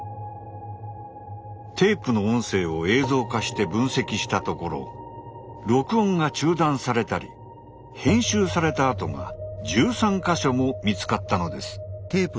テープの音声を映像化して分析したところ録音が中断されたり編集された跡が１３か所も見つかったのです。